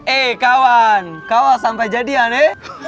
eh kawan kau sampai jadian he